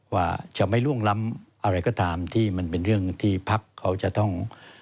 ว่าจะไม่ล่วงล้ำอะไรก็ตามที่มันเป็นเรื่องที่พักเขาจะต้อง